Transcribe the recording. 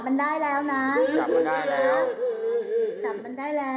ไม่ต้องร้องนะไม่ต้องร้อง